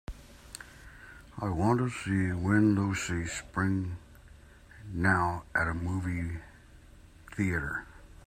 I want to see Wenn Lucy springt now at a movie theatre.